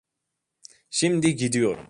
Şimdi gidiyorum.